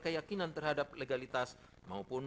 keyakinan terhadap legalitas maupun